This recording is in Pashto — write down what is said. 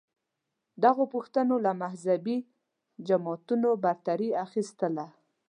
دغو پوښتنو له مذهبې جماعتونو برتري اخیستله